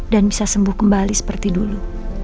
dan bisa sembuh kembali seperti dulu